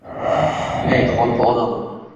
Ey, xoliqi olam